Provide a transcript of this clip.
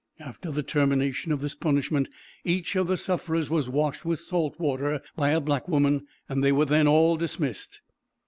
After the termination of this punishment, each of the sufferers was washed with salt water, by a black woman, and they were then all dismissed.